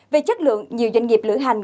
về chất lượng nhiều doanh nghiệp lửa hành